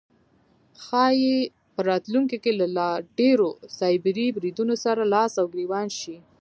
ښایي په راتلونکی کې له لا ډیرو سایبري بریدونو سره لاس او ګریوان شي